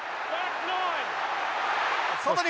外に。